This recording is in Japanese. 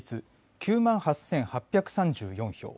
９万８８３４票。